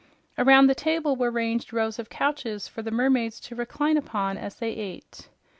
Around the table were ranged rows of couches for the mermaids to recline upon as they ate.